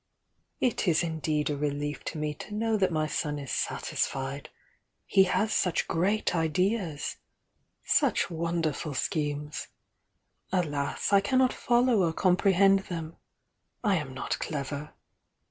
"It is indeed a relief to me to know that my son is satisfied ! He has such great ideas! — such wonderful schemes! — alas, I cannot follow or comprehend them! — I am not clever!